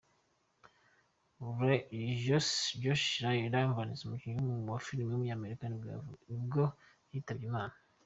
Josh Ryanvans, umukinnyi wa film w’umunyamerika nibwo yitabye Imana.